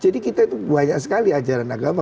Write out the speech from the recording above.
jadi kita itu banyak sekali ajaran agama